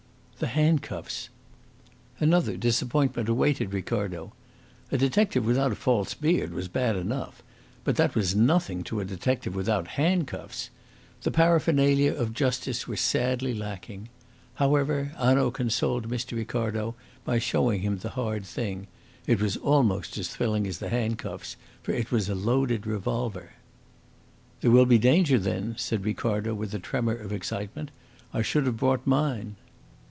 "The handcuffs." Another disappointment awaited Ricardo. A detective without a false beard was bad enough, but that was nothing to a detective without handcuffs. The paraphernalia of justice were sadly lacking. However, Hanaud consoled Mr. Ricardo by showing him the hard thing; it was almost as thrilling as the handcuffs, for it was a loaded revolver. "There will be danger, then?" said Ricardo, with a tremor of excitement. "I should have brought mine."